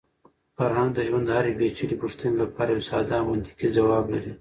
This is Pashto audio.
فرهنګ د ژوند د هرې پېچلې پوښتنې لپاره یو ساده او منطقي ځواب لري.